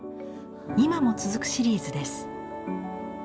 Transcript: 今も続くシリーズです。